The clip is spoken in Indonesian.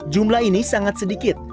jumlah ini sangat sedikit